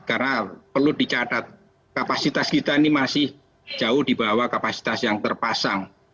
karena perlu dicatat kapasitas kita ini masih jauh di bawah kapasitas yang terpasang